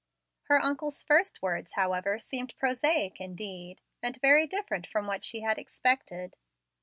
Her uncle's first words, however, seemed prosaic, indeed, and very different from what she had expected.